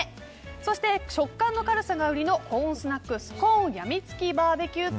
そして食感の軽さが売りのコーンスナックスコーンやみつきバーベキュー